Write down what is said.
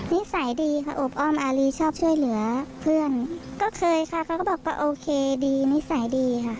นิสัยดีค่ะอบอ้อมอารีชอบช่วยเหลือเพื่อนก็เคยค่ะเขาก็บอกว่าโอเคดีนิสัยดีค่ะ